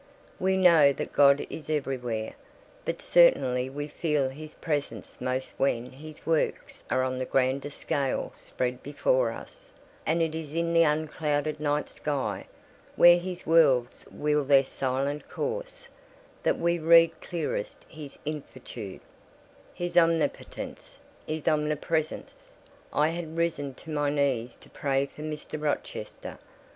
We know that God is everywhere; but certainly we feel His presence most when His works are on the grandest scale spread before us; and it is in the unclouded night sky, where His worlds wheel their silent course, that we read clearest His infinitude, His omnipotence, His omnipresence. I had risen to my knees to pray for Mr. Rochester.